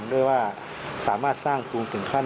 ด้วยว่าสามารถสร้างกลุ่มถึงคั่น